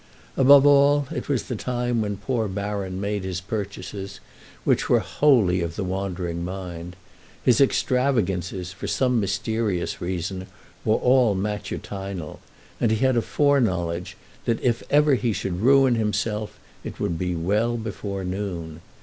Above all, it was the time when poor Baron made his purchases, which were wholly of the wandering mind; his extravagances, for some mysterious reason, were all matutinal, and he had a foreknowledge that if ever he should ruin himself it would be well before noon.